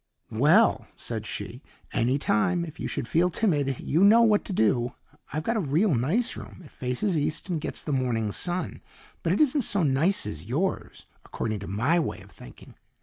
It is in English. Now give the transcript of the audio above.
"Well," said she, "any time, if you should feel timid, you know what to do. I've got a real nice room; it faces east and gets the morning sun, but it isn't so nice as yours, according to my way of thinking.